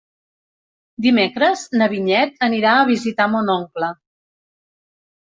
Dimecres na Vinyet anirà a visitar mon oncle.